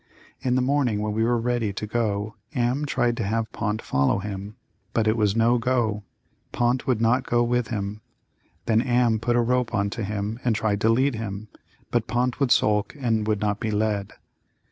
In the morning when we were ready to go Am tried to have Pont follow him, but it was no go, Pont would not go with him. Then Am put a rope on to him and tried to lead him, but Pont would sulk and would not be led.